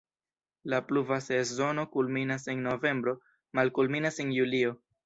La pluva sezono kulminas en novembro, malkulminas en julio.